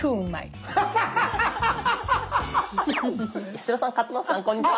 八代さん勝俣さんこんにちは。